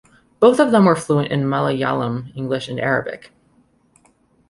Both of them were fluent in Malayalam, English and Arabic.